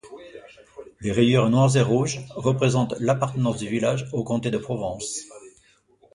Les rayures noires et rouges représentent l'appartenance du village au comté de Provence.